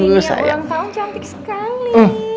iya ulang tahun cantik sekali